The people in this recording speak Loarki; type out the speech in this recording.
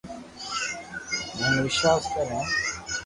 ھين وݾواس ڪر ھين